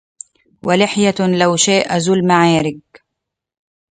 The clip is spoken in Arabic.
ولحية لو شاء ذو المعارج